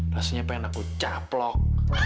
rasanya pengen aku caplok